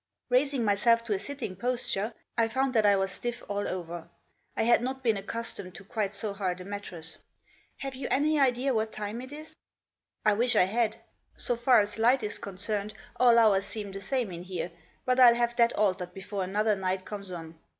Raising myself to a sitting posture I found that I was stiff all over. I had not been accustomed to quite so hard a mattress. " Have you any idea what time it is ?" Digitized by ttffc joss. " I wish I had. So far as light is concerned all hours seem the same in here, but Til have that altered before another night comes on.